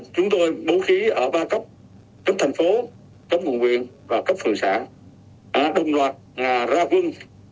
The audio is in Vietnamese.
chúng tôi bố khí ở ba cấp cấp thành phố cấp quận nguyện và cấp phường xã đồng loạt ra quân